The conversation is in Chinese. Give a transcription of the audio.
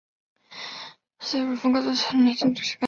是在乳房的高度测量女性躯干的周长。